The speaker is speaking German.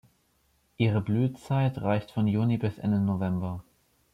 Ihre Blühzeit reicht von Juni bis Ende November.